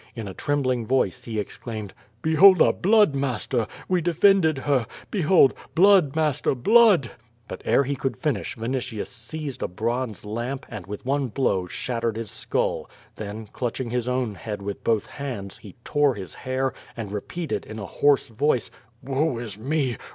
In a trembling voice he exclaimed: "Behold our blood, master! We defended her. Behold blood, master, blood!" But, ere he could finish, Vinitius seized a bronze lamp, and with one blow shattered his skull; then, clutching his own head with both hands, he tore his hair^ and repeated, in a hoarse voice: "Woe is me!